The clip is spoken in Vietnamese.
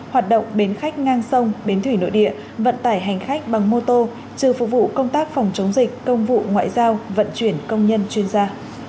hoạt động bến khách ngang sông bến thủy nội địa vận tải hành khách bằng mô tô trừ phục vụ công tác phòng chống dịch công vụ ngoại giao vận chuyển công nhân chuyên gia